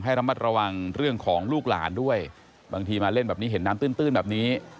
ระมัดระวังเรื่องของลูกหลานด้วยบางทีมาเล่นแบบนี้เห็นน้ำตื้นแบบนี้